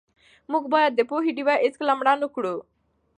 موږ باید د پوهې ډېوه هېڅکله مړه نه کړو.